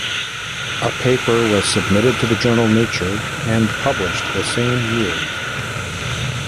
A paper was submitted to the journal "Nature" and published the same year.